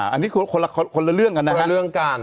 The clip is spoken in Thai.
อันนี้คนละเรื่องกันนะครับ